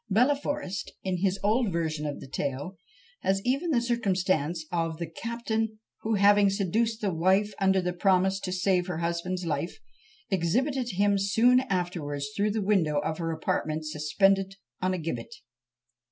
Belleforest, in his old version of the tale, has even the circumstance of the "captain, who having seduced the wife under the promise to save her husband's life, exhibited him soon afterwards through the window of her apartment suspended on a gibbet."